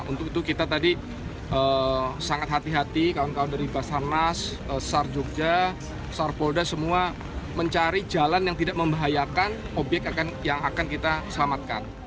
untuk itu kita tadi sangat hati hati kawan kawan dari basarnas sar jogja sar polda semua mencari jalan yang tidak membahayakan obyek yang akan kita selamatkan